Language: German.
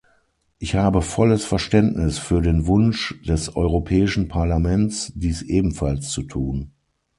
Ich habe volles Verständnis für den Wunsch des Europäischen Parlaments, dies ebenfalls zu tun.